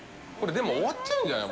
終わっちゃうんじゃない？